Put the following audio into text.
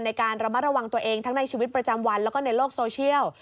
ในการระมัดระวังตัวเองทั้งในชีวิตประจำวันแล้วก็ในโลกโซเชียล